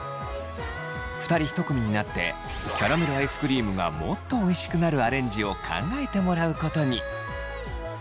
２人１組になってキャラメルアイスクリームがもっとおいしくなるアレンジを考えてもらうことに。